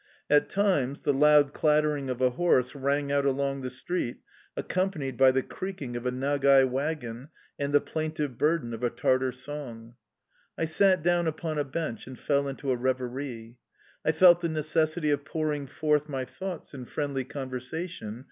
At times the loud clattering of a horse rang out along the street, accompanied by the creaking of a Nagai wagon and the plaintive burden of a Tartar song. I sat down upon a bench and fell into a reverie... I felt the necessity of pouring forth my thoughts in friendly conversation...